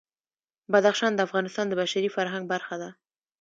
بدخشان د افغانستان د بشري فرهنګ برخه ده.